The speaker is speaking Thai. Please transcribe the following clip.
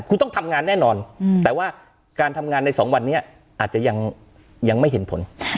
คุณต้องทำงานแน่นอนแต่ว่าการทำงานใน๒วันนี้อาจจะยังไม่เห็นผล